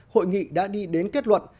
hội nghị đã đi đến kết luận